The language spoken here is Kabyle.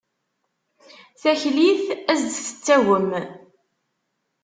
Taklit ad as-d-tettagem.